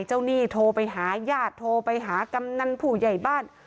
หนี้โทรไปหาญาติโทรไปหากำนันผู้ใหญ่บ้าน